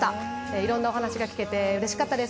いろんなお話がきけてうれしかったです。